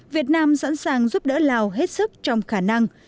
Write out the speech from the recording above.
việt nam sẵn sàng giúp đỡ lào hết sức trong khả năng